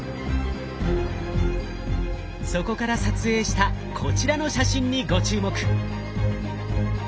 そこから撮影したこちらの写真にご注目。